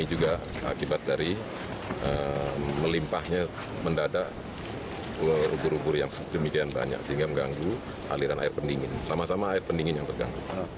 ubur ubur yang demikian banyak sehingga mengganggu aliran air pendingin sama sama air pendingin yang terganggu